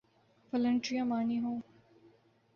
فلنٹریاں مارنی ہوں۔